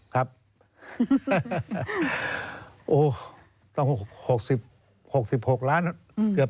ครับ๖๖ล้านเกือบ๗๐ล้านนะครับ